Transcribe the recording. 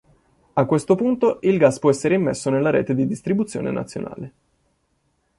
A questo punto il gas può essere immesso nella rete di distribuzione nazionale.